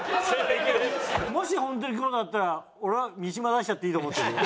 もし本当に久保田だったら俺は三島出しちゃっていいと思ってるよ。